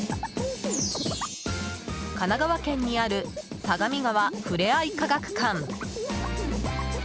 神奈川県にある相模川ふれあい科学館。